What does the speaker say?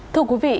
thưa quý vị